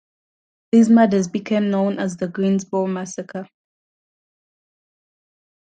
These murders became known as the "Greensboro Massacre".